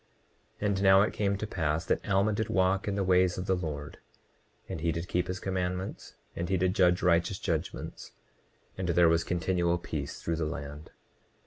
29:43 And now it came to pass that Alma did walk in the ways of the Lord, and he did keep his commandments, and he did judge righteous judgments; and there was continual peace through the land.